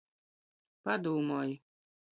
Padūmoj!